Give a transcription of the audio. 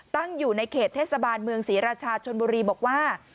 ตั้งอยู่ในเขตเทศบาลเมืองศรีราชาชนบุรีบอกว่า